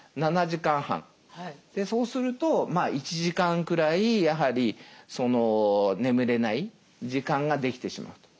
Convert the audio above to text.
そうすると１時間くらいやはり眠れない時間ができてしまうと。